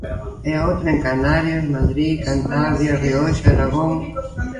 E a outra en Canarias, Madrid, Cantabria, A Rioxa, Aragón.